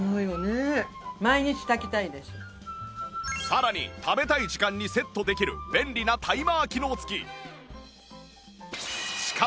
さらに食べたい時間にセットできる便利なタイマー機能付き